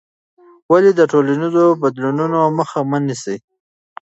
ولې د ټولنیزو بدلونونو مخه مه نیسې؟